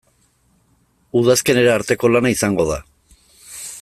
Udazkenera arteko lana izango da.